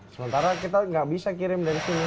sementara kita nggak bisa kirim dari sini